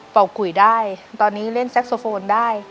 เป่ากุ๋ยได้ตอนนี้เล่นแซคโซโฟนได้